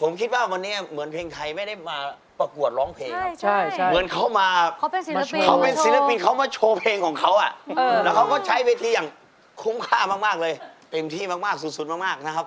ผมคิดว่าวันนี้เหมือนเพลงไทยไม่ได้มาประกวดร้องเพลงครับ